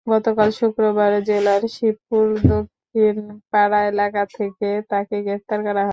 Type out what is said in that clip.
গতকাল শুক্রবার জেলার শিবপুর দক্ষিণপাড়া এলাকা থেকে তাকে গ্রেপ্তার করা হয়।